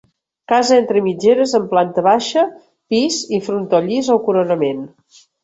Casa entre mitgeres amb planta baixa, pis i frontó llis al coronament.